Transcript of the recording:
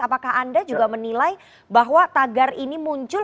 apakah anda juga menilai bahwa tagar ini muncul